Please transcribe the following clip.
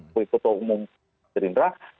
kota umum gerindra